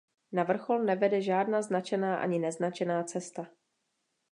Na vrchol nevede žádná značená ani neznačená cesta.